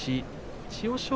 千代翔